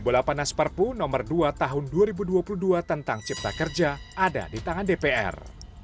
bola panas perpu nomor dua tahun dua ribu dua puluh dua tentang cipta kerja ada di tangan dpr